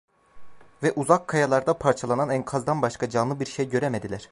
Ve uzak kayalarda parçalanan enkazdan başka canlı bir şey göremediler.